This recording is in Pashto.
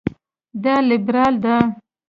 دا لېبرال ده.